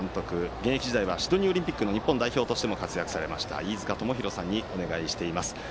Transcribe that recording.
現役時代はシドニーオリンピックの日本代表としても活躍されました飯塚智広さんにお願いしています。